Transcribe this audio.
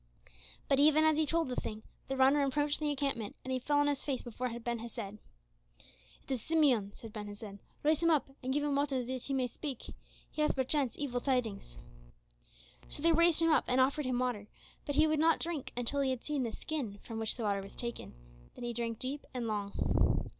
But even as he told the thing, the runner approached the encampment, and he fell on his face before Ben Hesed. "It is Simeon," said Ben Hesed. "Raise him up and give him water that he may speak. He hath perchance evil tidings." So they raised him up and offered him water, but he would not drink until he had seen the skin from which the water was taken; then he drank deep and long.